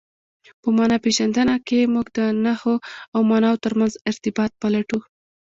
په مانا پېژندنه کښي موږ د نخښو او ماناوو ترمنځ ارتباط پلټو.